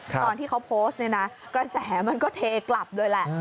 ตอนที่เขาโพสต์เนี่ยนะกระแสมันก็เทกลับเลยแหละ